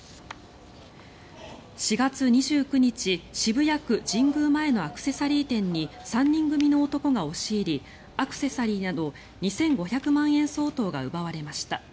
４月２９日、渋谷区神宮前のアクセサリー店に３人組の男が押し入りアクセサリーなど２５００万円相当が奪われました。